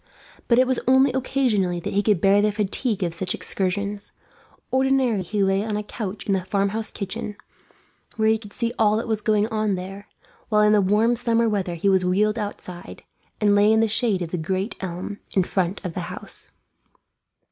But it was only occasionally that he could bear the fatigue of such excursions. Ordinarily he lay on a couch in the farmhouse kitchen, where he could see all that was going on there; while in warm summer weather he was wheeled outside, and lay in the shade of the great elm, in front of the house.